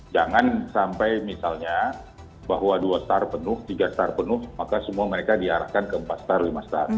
jangan sampai misalnya bahwa dua star penuh tiga star penuh maka semua mereka diarahkan ke empat star lima start